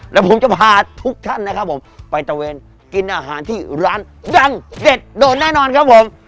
แล้วผมจะพาทุกท่านนะครับผมไปตะเวนกินอาหารที่ร้านยังเด็ดโดนแน่นอนครับผม